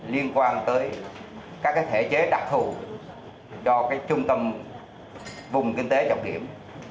liên quan tới các thể chế đặc thù cho trung tâm vùng kinh tế trọng điểm